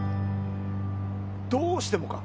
どうしてもか？